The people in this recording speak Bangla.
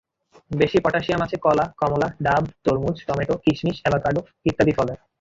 বেশি পটাশিয়াম আছে কলা, কমলা, ডাব, তরমুজ, টমেটো, কিশমিশ, অ্যাভোকেডো ইত্যাদি ফলে।